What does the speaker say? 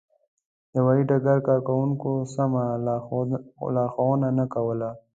د هوایي ډګر کارکوونکو سمه لارښوونه نه کوله.